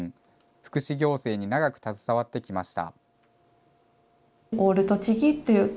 福祉行政に長く携わってきました。